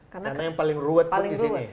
karena yang paling ruwet pun di sini